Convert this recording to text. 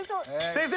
先生。